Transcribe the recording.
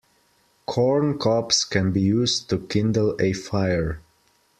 Corn cobs can be used to kindle a fire.